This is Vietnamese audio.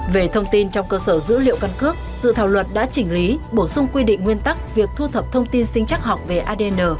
về thông tin trong cơ sở dữ liệu căn cước dự thảo luật đã chỉnh lý bổ sung quy định nguyên tắc việc thu thập thông tin sinh chắc học về adn